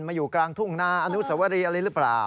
อยู่กลางทุ่งนาอนุสวรีอะไรหรือเปล่า